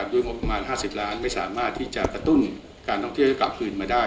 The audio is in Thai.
โดยงบประมาณ๕๐ล้านไม่สามารถที่จะกระตุ้นการท่องเที่ยวให้กลับคืนมาได้